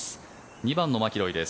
２番のマキロイです。